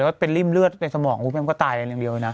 แล้วเป็นริ่มเลือดในสมองก็ตายอย่างเดียวนะ